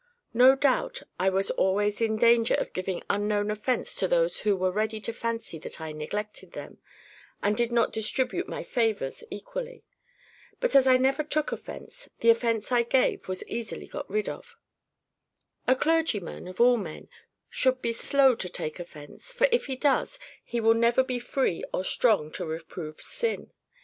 No doubt I was always in danger of giving unknown offence to those who were ready to fancy that I neglected them, and did not distribute my FAVOURS equally. But as I never took offence, the offence I gave was easily got rid of. A clergyman, of all men, should be slow to take offence, for if he does, he will never be free or strong to reprove sin.